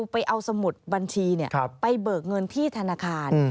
ไปเอาสมุดบัญชีไปเบิกเงินที่ธนาคาร